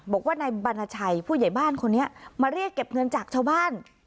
บอกว่านายบรรณชัยผู้ใหญ่บ้านคนนี้มาเรียกเก็บเงินจากชาวบ้าน